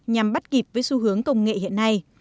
nhằm bắt kịp với xu hướng công nghệ hiện nay